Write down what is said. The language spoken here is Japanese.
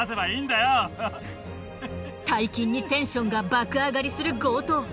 大金にテンションが爆上がりする強盗。